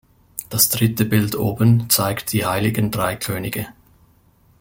Das dritte Bild oben zeigt die Heiligen Drei Könige.